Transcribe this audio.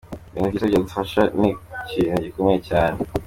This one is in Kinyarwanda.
Uko amakipe akurikirana mu gutanga abakinnyi .